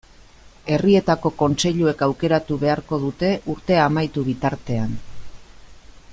Herrietako kontseiluek aukeratu beharko dute urtea amaitu bitartean.